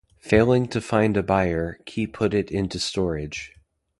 Failing to find a buyer, Key put it into storage.